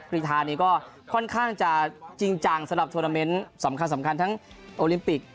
กรีธานี่ก็ค่อนข้างจะจริงจังสำหรับทวนาเมนต์สำคัญสำคัญทั้งโอลิมปิก